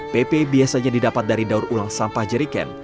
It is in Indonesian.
pp biasanya didapat dari daur ulang sampah jeriken